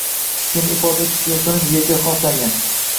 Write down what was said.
Fikrni ifoda etish yo‘sinim she’rga xoslangan.